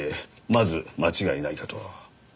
まず間違いないかと。